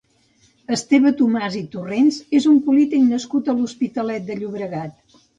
Esteve Tomàs i Torrens és un polític nascut a l'Hospitalet de Llobregat.